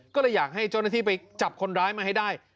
ก็เลยอยากให้เจ้าหน้าที่ไปจับคนร้ายมาให้ได้